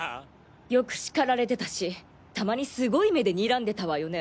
よく叱られてたしたまに凄い目で睨んでたわよね